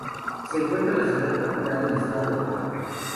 Se encuentra en la ciudad capital del estado de Oaxaca.